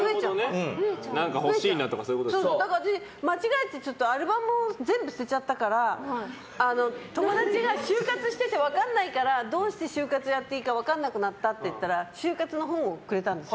だから私間違えてアルバムを全部捨てちゃったから友達が終活してて分かんないからどうして就活やっていいか分かんなくなったって言ったら終活の本をくれたんです。